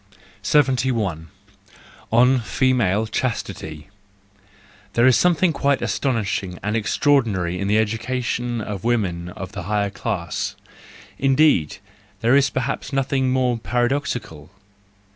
104 THE JOYFUL WISDOM, II 71 . On Female Chastity .—There is something quite astonishing and extraordinary in the education of women of the higher class ; indeed, there is perhaps nothing more paradoxical.